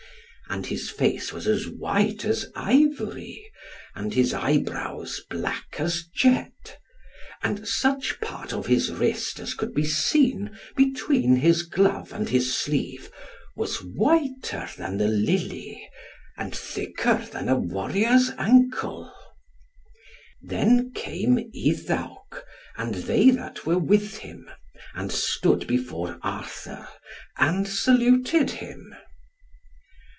And his face was white as ivory, and his eyebrows black as jet, and such part of his wrist as could be seen between his glove and his sleeve was whiter than the lily, and thicker than a warrior's ankle. Then came Iddawc and they that were with him, and stood before Arthur, and saluted him.